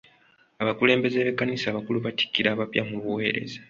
Abakulembeze b'ekkanisa abakulu battikira abapya mu buwereza.